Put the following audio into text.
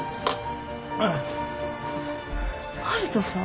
悠人さん？